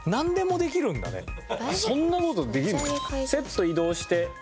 そんな事できるの？